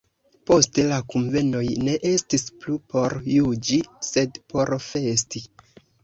Poste la kunvenoj ne estis plu por juĝi sed por festi.